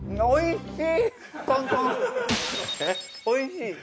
おいしい。